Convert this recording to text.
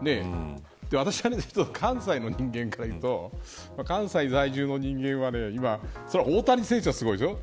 私は関西の人間からいうと関西在住の人間は大谷選手がすごいですよ。